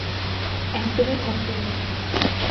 একদমই ভক্ত নই।